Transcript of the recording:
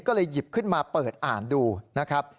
ก็เลยหยิบขึ้นมาเปิดอ่านดูนะครับ